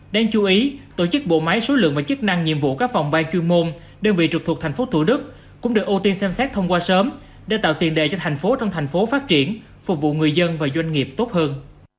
đáng chú ý tổ chức bộ máy số lượng và chức năng nhiệm vụ các phòng ban chuyên môn đơn vị trực thuộc thành phố thủ đức cũng được ưu tiên xem xét thông qua sớm để tạo tiền đề cho thành phố trong thành phố phát triển phục vụ người dân và doanh nghiệp tốt hơn